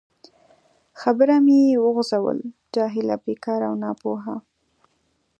خبره مې وغځول: جاهله، بیکاره او ناپوه.